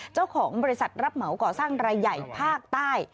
เจ้าของบริษัทรับเหมาก่อสร้างรายใหญ่ภาคใต้